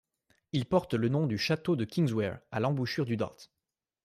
Il porte le nom du Château de Kingswear à l'embouchure du Dart.